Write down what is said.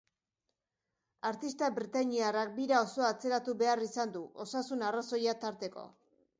Artista britainiarrak bira osoa atzeratu behar izan du, osasun arrazoiak tarteko.